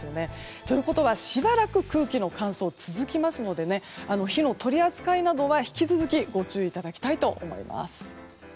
ということは、しばらく空気の乾燥が続きますので火の取り扱いなどは引き続きご注意いただきたいと思います。